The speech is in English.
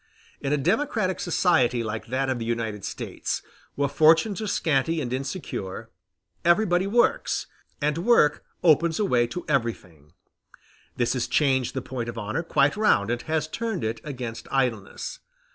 In a democratic society like that of the United States, where fortunes are scanty and insecure, everybody works, and work opens a way to everything: this has changed the point of honor quite round, and has turned it against idleness.